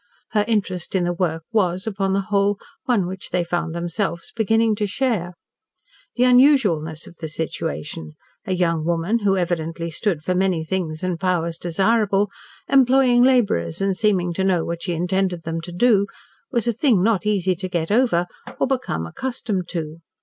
Her interest in the work was, upon the whole, one which they found themselves beginning to share. The unusualness of the situation a young woman, who evidently stood for many things and powers desirable, employing labourers and seeming to know what she intended them to do was a thing not easy to get over, or be come accustomed to.